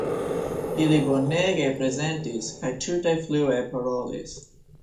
Ili bonege prezentis kaj tute flue parolis.